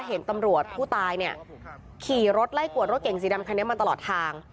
เห็นตำรวจผู้ตายเนี่ยขี่รถไล่กวดรถเก่งสีดำคันนี้มาตลอดทาง